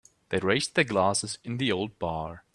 They raised their glasses in the old bar.